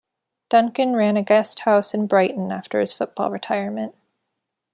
Duncan ran a guest house in Brighton after his football retirement.